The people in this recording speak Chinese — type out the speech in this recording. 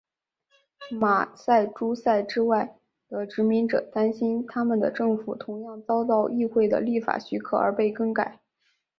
马萨诸塞之外的殖民者担心他们的政府同样遭到议会的立法许可而被更改。